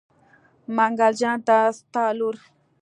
منګل جان ته ستا لور.